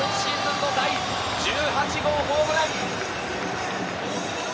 今シーズン第１８号ホームラン。